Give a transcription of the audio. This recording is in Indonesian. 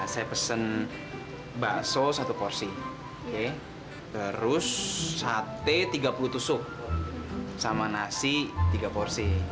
saya pesen bakso satu porsi terus sate tiga puluh tusuk sama nasi tiga porsi